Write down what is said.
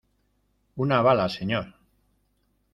una bala, señor.